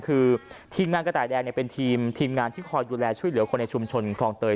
คือทีมงานกระต่ายแดงเป็นทีมงานที่คอยดูแลช่วยเหลือคนในชุมชนคลองเตย